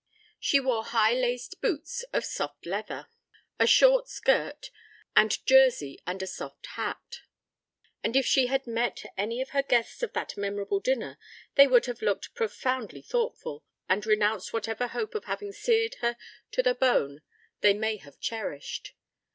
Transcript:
She wore high laced boots of soft leather, a short skirt and jersey and a soft hat; and if she had met any of her guests of that memorable dinner they would have looked profoundly thoughtful, and renounced whatever hope of having seared her to the bone they may have cherished.